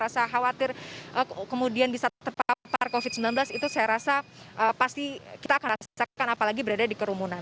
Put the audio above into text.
rasa khawatir kemudian bisa terpapar covid sembilan belas itu saya rasa pasti kita akan rasakan apalagi berada di kerumunan